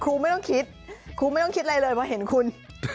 ครูไม่ต้องคิดครูไม่ต้องคิดอะไรเลยเพราะเห็นคุณ